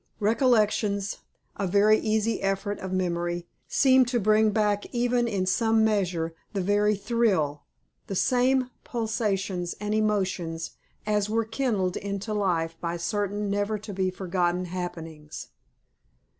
Recollections, a very easy effort of memory, seem to bring back even in some measure the very thrill, the same pulsations and emotions, as were kindled into life by certain never to be forgotten happenings.